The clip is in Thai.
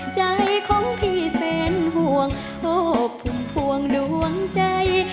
ใจของพี่เสนห่วงโอ้พุ่งพวงลวงใจ